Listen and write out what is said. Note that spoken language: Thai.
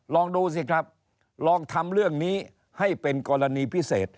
ลองดูสิครับลองทำเรื่องนี้ให้เป็นกรณีพิเศษ